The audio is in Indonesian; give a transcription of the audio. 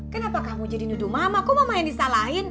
kenapa kamu jadi nuduh mama kok mama yang disalahin